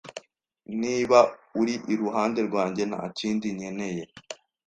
Niba uri iruhande rwanjye, nta kindi nkeneye.